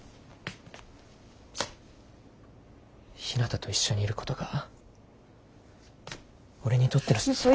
ひなたと一緒にいることが俺にとっての。